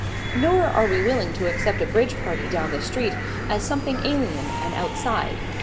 Nor are we willing to accept a bridge party down the street as something alien and outside.